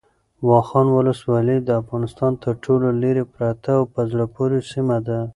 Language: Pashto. واخان ولسوالۍ د افغانستان تر ټولو لیرې پرته او په زړه پورې سیمه ده.